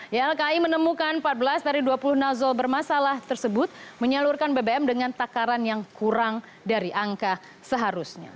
ylki menemukan empat belas dari dua puluh nozzle bermasalah tersebut menyalurkan bbm dengan takaran yang kurang dari angka seharusnya